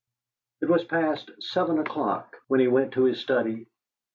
It was past seven o'clock when he went to his study.